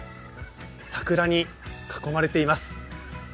桜に囲まれています。